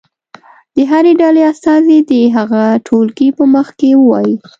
د هرې ډلې استازی دې هغه ټولګي په مخ کې ووایي.